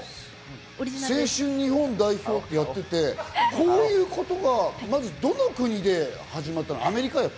青春日本代表ってやってて、こういうことが、まず、どの国で始まったの？